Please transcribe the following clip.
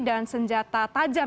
dan senjata tajam